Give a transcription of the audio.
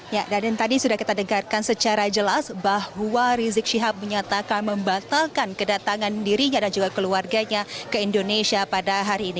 ya dan tadi sudah kita dengarkan secara jelas bahwa rizik syihab menyatakan membatalkan kedatangan dirinya dan juga keluarganya ke indonesia pada hari ini